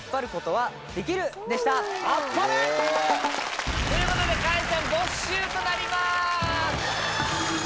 あっぱれ！ということでカレンちゃん没収となります！